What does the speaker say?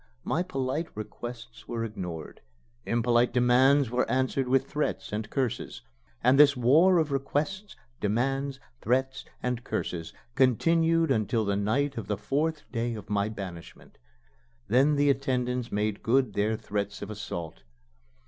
My polite requests were ignored; impolite demands were answered with threats and curses. And this war of requests, demands, threats, and curses continued until the night of the fourth day of my banishment. Then the attendants made good their threats of assault.